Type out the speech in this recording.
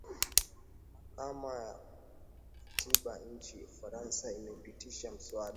akama ya kikatiba nchini ufarasa imepitisha mswada